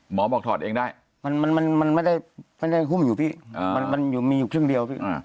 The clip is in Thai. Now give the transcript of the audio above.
หมอบอกถอดเองได้มันไม่ได้หุ้มอยู่พี่มันมีอยู่ครึ่งเดียวพี่